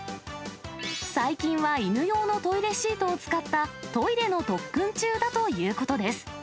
最近は犬用のトイレシートを使ったトイレの特訓中だということです。